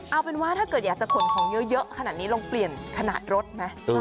เอาเป็นว่าถ้าเกิดอยากจะขนของเยอะขนาดนี้ลองเปลี่ยนขนาดรถไหม